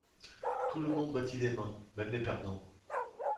Tout le monde battit des mains, même les perdants.